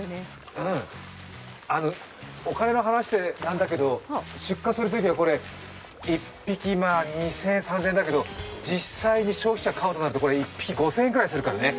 お金の話でなんだけど、出荷するときは、１匹２０００円、３０００円だけど、実際に消費者が買うのは１匹５０００円くらいするからね。